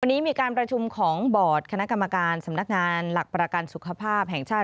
วันนี้มีการประชุมของบอร์ดคณะกรรมการสำนักงานหลักประกันสุขภาพแห่งชาติ